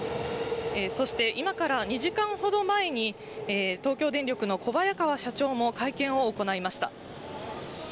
そして今から２時間ほど前に、東京電力の小早川社長も会見を行いました。